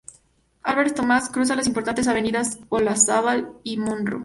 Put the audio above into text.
Álvarez Thomas cruza las importantes avenidas Olazábal y Monroe.